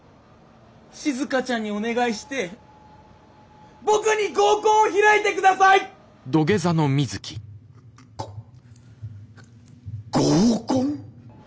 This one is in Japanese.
しずかちゃんにお願いして僕に合コンを開いて下さい！ご合コン！？